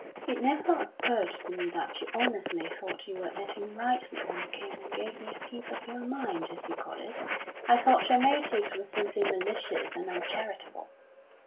"It never occurred to me that you honestly thought you were acting rightly when you came and gave me a piece of your mind, as you call it. I thought your motives were simply malicious and uncharitable."